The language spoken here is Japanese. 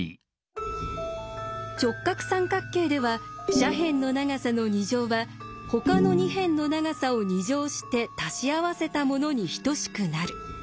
直角三角形では「斜辺の長さの２乗」は「ほかの２辺の長さを２乗して足し合わせたもの」に等しくなる。